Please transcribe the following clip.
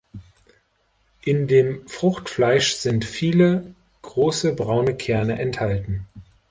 In dem Fruchtfleisch sind viele große braune Kerne enthalten.